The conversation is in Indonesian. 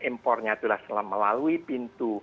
impornya adalah melalui pintu